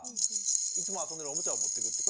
いつも遊んでるおもちゃを持ってくって